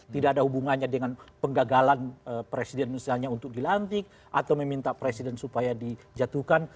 tidak ada hubungannya dengan penggagalan presiden misalnya untuk dilantik atau meminta presiden supaya dijatuhkan